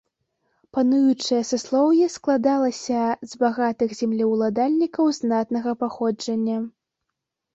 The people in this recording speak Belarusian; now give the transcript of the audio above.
Пануючае саслоўе складалася з багатых землеўладальнікаў знатнага паходжання.